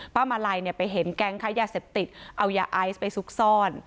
มาลัยไปเห็นแก๊งค้ายาเสพติดเอายาไอซ์ไปซุกซ่อน